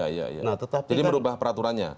jadi merubah peraturannya